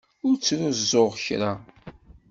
Ur ttruẓuɣ kra.